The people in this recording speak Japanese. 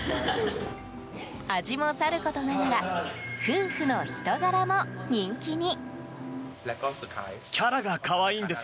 味もさることながら夫婦の人柄も人気に。